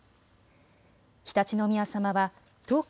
常陸宮さまは東京